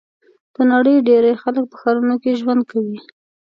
د نړۍ ډېری خلک په ښارونو کې ژوند کوي.